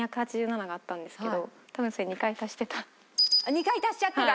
２回足しちゃってた？